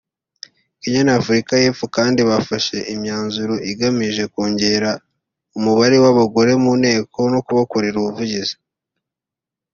Kenya n’Afurika y’Epfo kandi bafashe imyanzuro igamije kongera umubare w’abagore mu Nteko no kubakorera ubuvugizi